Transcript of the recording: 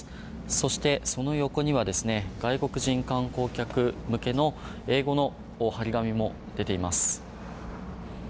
そして、その横には外国人観光客向けの英語の貼り紙も出ています。